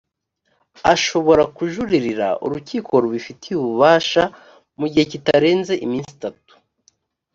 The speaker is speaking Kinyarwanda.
ashobora kujuririra urukiko rubifitiye ububasha mu gihe kitarenze iminsi itatu